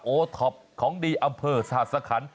โอทอปของดีอำเภอสหรัฐสะทาน